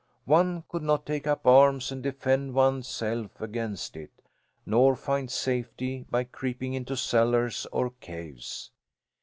One could not take up arms and defend one's self against it, nor find safety by creeping into cellars or caves.